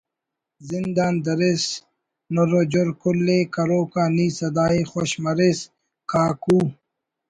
زند آن دریس نُرو جُر کل ءِ کروک آ نی سدائی خوش مریس کا وکو